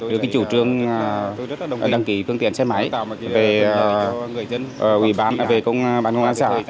đối với chủ trương đăng ký cương tiện xe máy về công an xã